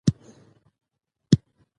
چي د لا ښه پوهاوي لپاره یې ما هڅه کړي.